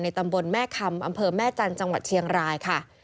ตำบลแม่คำอำเภอแม่จันทร์จังหวัดเชียงรายค่ะ